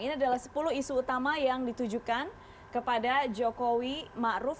ini adalah sepuluh isu utama yang ditujukan kepada jokowi ⁇ maruf ⁇